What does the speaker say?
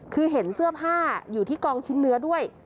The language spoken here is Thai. คือเห็นเสื้อผ้าอยู่ที่กองชิ้นเนื้อด้วย